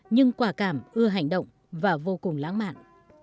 nhưng quả cảm ưa hành động và vô cùng lãng mạn